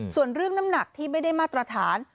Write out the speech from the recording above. ส่วนเรื่องน้ำหนักที่ไม่ได้มาตรฐาน